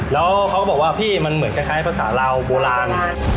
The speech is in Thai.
แล้วเขาก็บอกว่าพี่มันเหมือนคล้ายภาษาลาวโบราณ